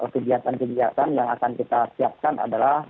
kegiatan kegiatan yang akan kita siapkan adalah